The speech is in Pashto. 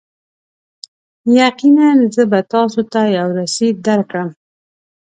یقینا، زه به تاسو ته یو رسید درکړم.